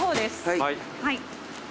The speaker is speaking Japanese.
はい。